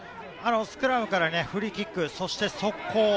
スクラムからフリーキック、そして速攻。